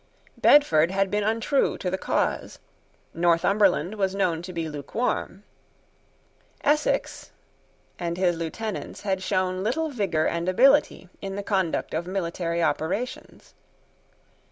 Bedford had been untrue to the cause. Northumberland was known to be lukewarm. Essex and his lieutenants had shown little vigour and ability in the conduct of military operations.